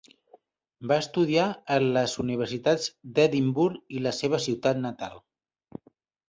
Va estudiar en les universitats d'Edimburg i la seva ciutat natal.